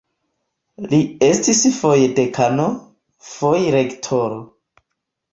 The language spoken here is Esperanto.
Li estis foje dekano, foje rektoro.